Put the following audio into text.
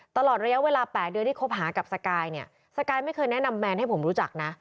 ตลอดระยะเวลา๘เดือนที่คบหากับสกายเนี่ยสกายไม่เคยแนะนำแมนให้ผมรู้จักนะ